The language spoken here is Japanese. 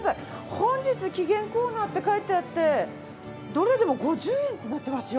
「本日期限コーナー！」って書いてあってどれでも５０円ってなってますよ。